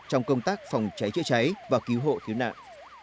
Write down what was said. trong công tác phòng cháy chữa cháy và cứu hộ cứu nạn